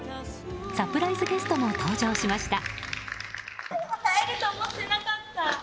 サプライズゲストも登場しました。